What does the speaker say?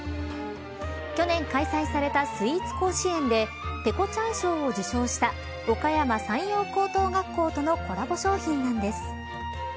去年開催されたスイーツ甲子園でぺこちゃん賞を受賞したおかやま山陽高校等学校とのコラボ商品なんです。